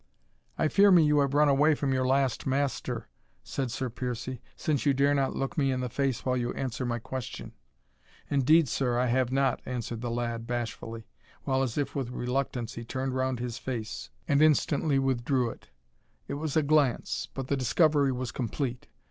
"I fear me you have run away from your last master," said Sir Piercie, "since you dare not look me in the face while you answer my question." "Indeed, sir, I have not," answered the lad, bashfully, while, as if with reluctance, he turned round his face, and instantly withdrew it. It was a glance, but the discovery was complete.